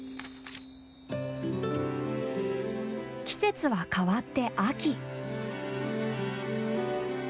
季節は変わって秋。